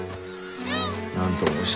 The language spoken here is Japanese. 何と申した？